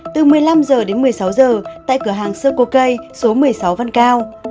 từ một mươi năm h đến một mươi sáu h tại cửa hàng circle k số một mươi sáu văn cao